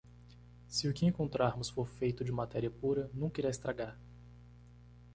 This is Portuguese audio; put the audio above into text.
Se o que encontrarmos for feito de matéria pura, nunca irá estragar.